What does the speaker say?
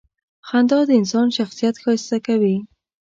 • خندا د انسان شخصیت ښایسته کوي.